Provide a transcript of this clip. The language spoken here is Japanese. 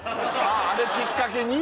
あれきっかけに？